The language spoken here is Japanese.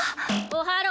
おはろ！